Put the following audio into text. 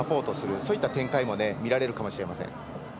そういった展開が見られるかもしれません。